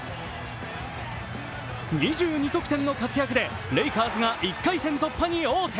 ２２得点の活躍でレイカーズが１回戦突破に王手。